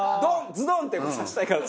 ズドン！ってさせたいから。